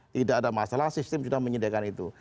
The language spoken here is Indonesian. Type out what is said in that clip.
tidak ada masalah sistem sudah menyediakan itu